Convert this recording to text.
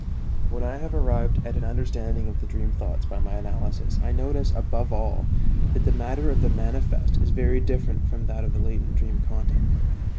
When I have arrived at an understanding of the dream thoughts by my analysis I notice, above all, that the matter of the manifest is very different from that of the latent dream content.